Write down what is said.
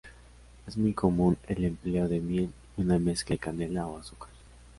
Es muy común el empleo de miel y una mezcla de canela o azúcar.